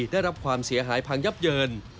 ได้รับความเสียหายพังยับเยิน